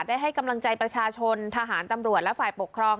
ให้กำลังใจประชาชนทหารตำรวจและฝ่ายปกครอง